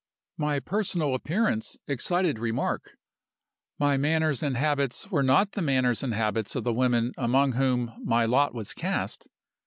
My personal appearance excited remark; my manners and habits were not the manners and habits of the women among whom my lot was cast.